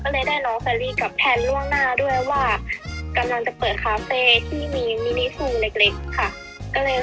ก็เลยได้น้องเฟอรี่กับแทนล่วงหน้าด้วยว่ากำลังจะเปิดคาเฟ่ที่มีมินิฟูเล็กค่ะ